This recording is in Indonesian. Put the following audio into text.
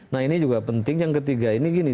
nah ini juga penting yang ketiga ini gini